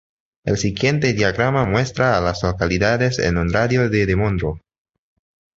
El siguiente diagrama muestra a las localidades en un radio de de Monroe.